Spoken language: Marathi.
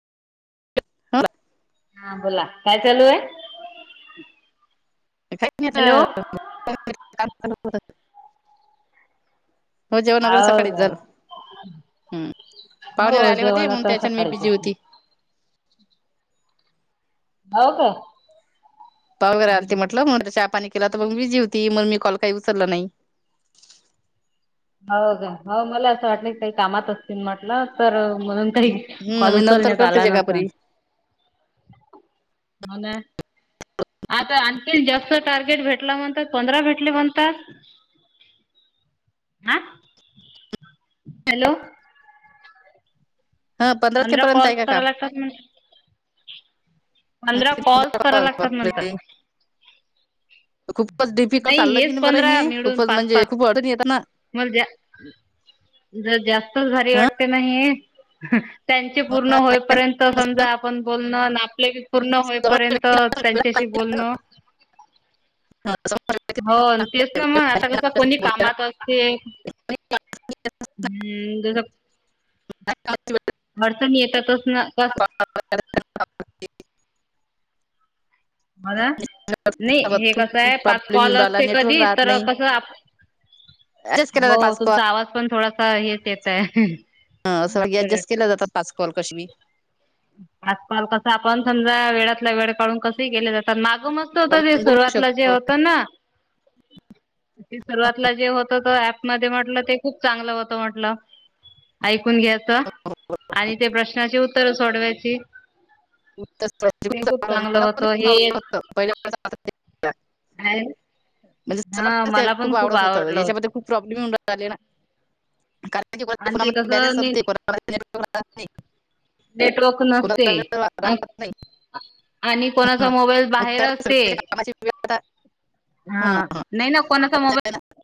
हा. [unintelligible] हा बोला, काय चालू आहे? काय आता हॅलो [inaudible] हो जेवण वगैरे सकाळीच झालं. हम्म. पाहुणेवर हो आले होते जेवण म्हणून आता त्याच्यात मी सकाळीच बिझी हो होती. हो हो. प [unintelligible] वगैरे ती म्हटलं चहा पाणी केलं तर मग म बी जेवती मग मी कॉल काही उचरलं नाही. हो ग हो मला असं वाटलं की, काही कामात असतील म्हटलं तर म्हणून. काही हम्म कॉल मी नंतर उचलण्यात करते आला नसता. जगापरी मगं काय. आता आणखीन जास्त टार्गेट भेटल्यानंतर पंधरा भेटले म्हणता. हा हॅलो! हं पंधरा तारखेपर्यंत आहे काम. [inaudible] पंधरा कॉल्स पंधरा कराव लागतात नंतर. बापरे खूपच डिफिकल्ट चाललं की, हेच नाही बरं पंधरा हे खूपच म्हणजे खूप अडून येत ना. मलज्या जर जास्तच भारी हा वाटते ना हे हा. त्यांचे पूर्ण होपर्यंत समजा आपण बोलणं ना आपले पूर्ण होईपर्यंत त्यांच्याशी बोलणं हा. [unintelligible] हो तेच ना मग आता कसं कोणी कामात असते. हम्म! [inaudible] [inaudible] अडचणी येतातच ना. [inaudible] बोला नाही हे कसं आहे खूप पाच प्रॉब्लेम कॉल येऊन राहिला असते नेटवर्क कधी राहत तर नाही कसं आप ऍडजस्ट केला हो जातो पाच कॉल तुमचा आवाज पण थोडासा हेच येतय. ह असं ऍडजस्ट के जात पाच कॉल कशी बी आजकाल कसं आपण समजा वेळातला वेळ काढून कसही गेले जातात माग मग त ते आपण बोलू सुरुवातला जे शकतो होत ना. ते सुरवातीला जे होत ऍपमध्ये म्हटलं ते खूप चांगलं होतं म्हटलं. ऐकून घ्याचं आणि ते प्रश्नाची उत्तर सोडवायची. ते खूप चांगलं मला पण होतं खूप हे एक आवडत पहिल्या आहे म्हणजे हा सर् मला पण खूप आवडत होत आवडलं होतं. याच्यामध्ये खूप प्रॉब्लेम आले ना, कारण की को आणि ते फोनामध्ये बॅलेन्स कसं ने संपते को नाही. नेटवर्क नसते कोणाचा वेळ रा- आणि राहत नाही आणि कोणाचा मोबाईल बाहेर असते. आ [unintelligible] हा नाही ना कोणाचा असं मोबाईल आहे ना.